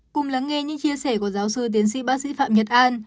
cùng lắng nghe những chia sẻ của giáo sư tiến sĩ bác sĩ phạm nhật an